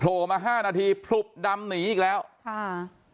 มาห้านาทีผลุบดำหนีอีกแล้วค่ะ